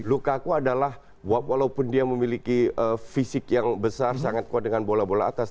lukaku adalah walaupun dia memiliki fisik yang besar sangat kuat dengan bola bola atas